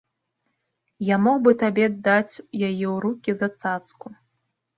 Я мог бы табе даць яе ў рукі за цацку.